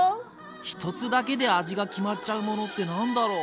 １つだけで味が決まっちゃうものって何だろう？